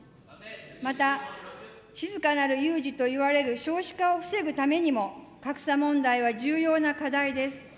また、静かなる有事といわれる少子化を防ぐためにも、格差問題は重要な課題です。